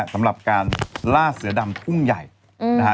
สำหรับการล่าเสือดำทุ่งใหญ่นะฮะ